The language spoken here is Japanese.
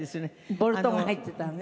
ボルトが入っていたのね。